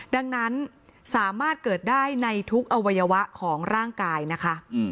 ดังนั้นสามารถเกิดได้ในทุกอวัยวะของร่างกายนะคะ